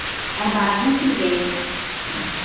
Ә бараһым килгәйне.